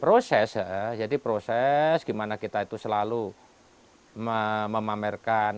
proses ya jadi proses gimana kita itu selalu memamerkan